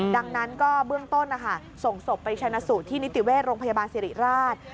ดังนั้นก็เบื้องต้นนะคะส่งศพไปชนะสูตรที่นิติเวชโรงพยาบาลสิริราช